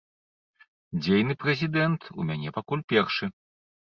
Дзейны прэзідэнт у мяне пакуль першы.